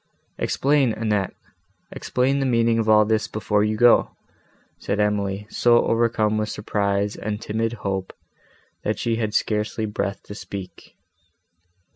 "Explain, Annette, explain the meaning of all this before you go," said Emily, so overcome with surprise and timid hope, that she had scarcely breath to speak.